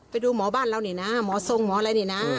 ไปดูหมอบ้านเรานี่นะหมอทรงหมออะไรนี่นะ